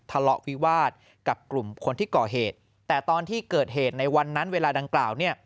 ทะเลาะวิวาสกับกลุ่มคนที่ก่อเหตุแต่ตอนที่เกิดเหตุในวันนั้นเวลาดังกล่าวเนี่ย